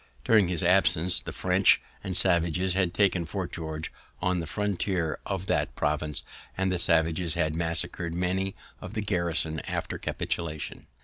During his absence the French and savages had taken Fort George, on the frontier of that province, and the savages had massacred many of the garrison after capitulation.